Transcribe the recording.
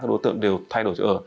các đối tượng đều thay đổi chỗ ở